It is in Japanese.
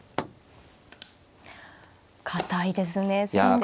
堅いですね先手。